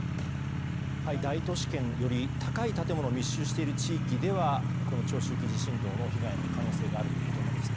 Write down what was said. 大都市圏より高い建物が密集している地域ではこの長周期地震動の被害の可能性があるということになります。